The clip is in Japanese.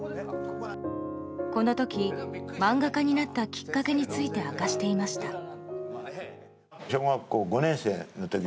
この時、漫画家になったきっかけについて明かしていました。